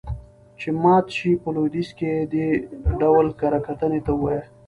چې مات شي. په لويديځ کې يې دې ډول کره کتنې ته ووايه.